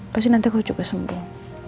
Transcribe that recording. pasti nanti aku juga sembuh